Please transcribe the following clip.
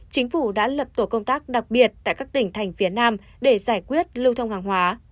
chính phủ đã lập tổ công tác đặc biệt tại các tỉnh thành phía nam để giải quyết lưu thông hàng hóa